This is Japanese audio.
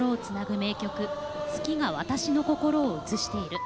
「月が私の心を映している」。